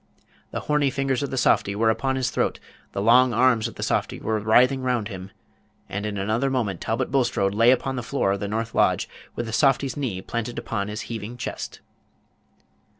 The horny fingers of the softy were upon his throat, the long arms of the softy were writhing round him, and in another moment Talbot Bulstrode lay upon the floor of the north lodge, with the softy's knee planted upon his heaving chest.